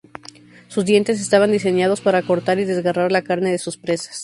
Sus dientes estaban diseñados parar cortar y desgarrar la carne de sus presas.